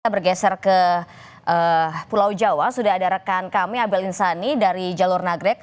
bergeser ke pulau jawa sudah ada rekan kami abel insani dari jalur nagrek